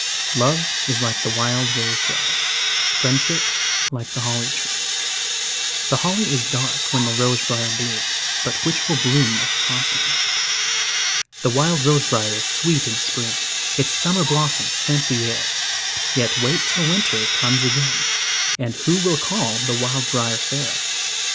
Love is like the wild rose briar; Friendship like the holly tree. The holly is dark when the rose briar blooms, But which will bloom most constantly? The wild rose briar is sweet in spring, Its summer blossoms scent the air; Yet wait till winter comes again, And who will call the wild briar fair?